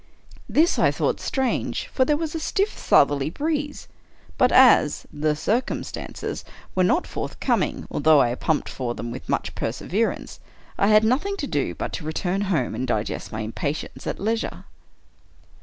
This I thought strange, for there was a stiff southerly breeze; but as "the circumstances" were not forthcoming, akhough I pumped for them with 113 American Mystery Stories much perseverance, I had nothing to do but to return home and digest my impatience at leisure.